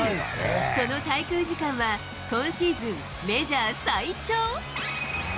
その滞空時間は、今シーズン、メジャー最長。